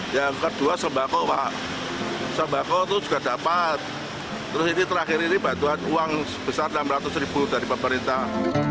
yang kedua sembako pak sembako itu juga dapat terus ini terakhir ini bantuan uang sebesar rp enam ratus ribu dari pemerintah